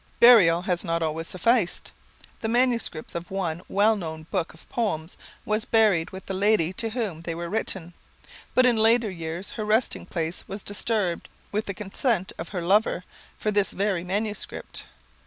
Burial has not always sufficed. The manuscript of one well known book of poems was buried with the lady to whom they were written, but in later years her resting place was disturbed, with the consent of her lover, for this very manuscript.